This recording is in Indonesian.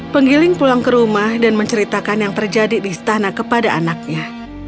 penggiling pulang ke rumah dan menceritakan yang terjadi di istana kepada anaknya